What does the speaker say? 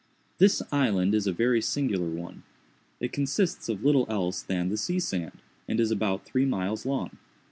This Island is a very singular one. It consists of little else than the sea sand, and is about three miles long.